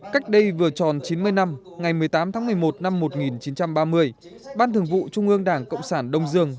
cách đây vừa tròn chín mươi năm ngày một mươi tám tháng một mươi một năm một nghìn chín trăm ba mươi ban thường vụ trung ương đảng cộng sản đông dương